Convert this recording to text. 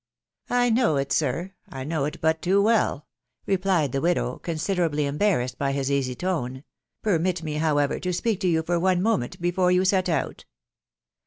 " I know it, sir .. ,1 know it but too well J " replie widow, considerably embarrassed by bis easy tone. •••" mit me, however, to speak to you for one moment bete set out."